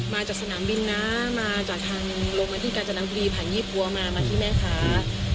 มาจากสนามบินน้ามาจากทางโรงบาทิกาจนักธุรีภัยยี่ปัวมามาที่แม่ค้า